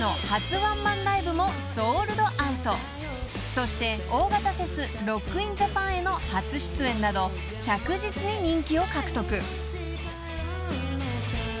［そして大型フェスＲＯＣＫＩＮＪＡＰＡＮへの初出演など着実に人気を獲得］